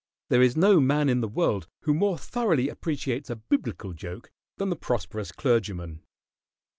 There is no man in the world who more thoroughly appreciates a biblical joke than the prosperous clergyman.